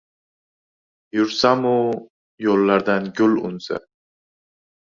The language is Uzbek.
Yursam-u, yo‘llardan gul unsa.